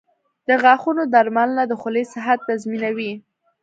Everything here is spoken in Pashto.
• د غاښونو درملنه د خولې صحت تضمینوي.